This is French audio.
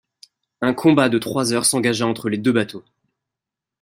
Un combat de trois heures s'engagea entre les deux bateaux.